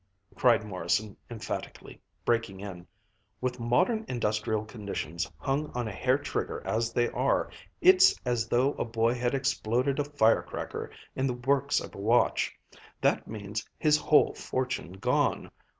cried Morrison emphatically, breaking in. "With modern industrial conditions hung on a hair trigger as they are, it's as though a boy had exploded a fire cracker in the works of a watch. That means his whole fortune gone.